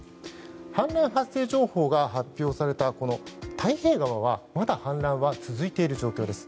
氾濫発生情報が発表された太平川はまだ氾濫は続いている状況です。